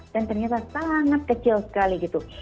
dan ternyata sangat kecil sekali gitu